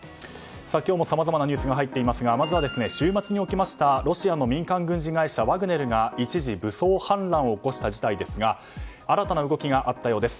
今日もさまざまなニュースが入っていますがまずは、週末に起きましたロシアの民間軍事会社ワグネルが一時、武装反乱を起こした事態ですが新たな動きがあったようです。